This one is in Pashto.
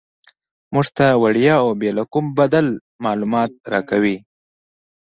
موږ ته وړیا او بې له کوم بدل معلومات راکوي.